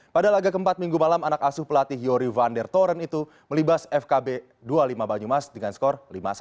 pada laga keempat minggu malam anak asuh pelatih yori vander toren itu melibas fkb dua puluh lima banyumas dengan skor lima satu